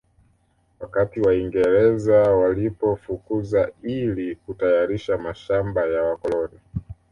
Wakati waingereze walipowafukuza ili kutayarisha mashamaba ya wakoloni